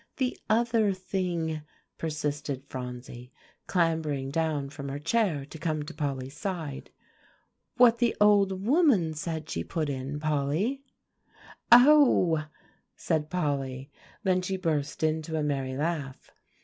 "The other thing," persisted Phronsie, clambering down from her chair to come to Polly's side. "What the old woman said she put in, Polly." "Oh!" said Polly; then she burst into a merry laugh.